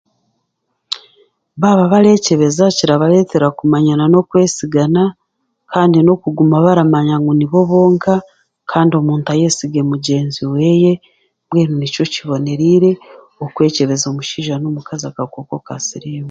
Baaba bareekyebeza kirabaretera kumanyana n'okwesigana kandi n'okuguma baramanya ngu nibo bonka kandi omuntu ayesige mugyenzi weeye mbwenu nikyo kibonererire okwekyebeza omusheija n'omukaazi akakooko ka siriimu.